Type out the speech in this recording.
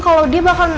kalau dia bakal